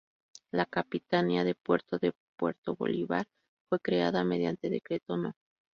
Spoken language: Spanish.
La Capitanía de Puerto de Puerto Bolívar, fue creada mediante decreto No.